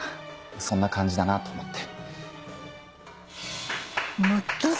そんな感じだなと思って。